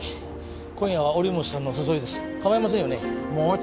今夜はオリモスさんのお誘いです構いませんよね？